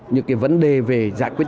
những cái vấn đề về giải quyết